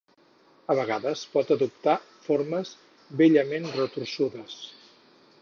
A vegades pot adoptar formes bellament retorçudes.